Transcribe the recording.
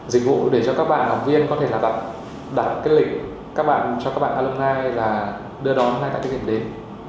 dịch vụ để cho các bạn học viên có thể là đặt cái lịch cho các bạn alumni và đưa đón các bạn tại cái điểm đến